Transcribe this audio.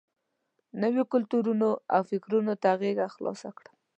نویو کلتورونو او فکرونو ته غېږه خلاصه کړم.